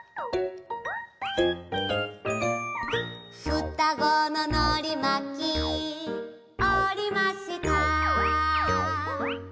「双子ののりまきおりました」